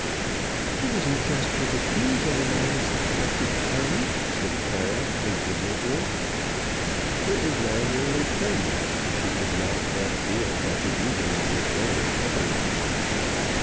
"It isn't just for the tea that a man is expected to come," said Clara, indignantly. It was now nearly ten, and she could not but feel that the evening was going heavily.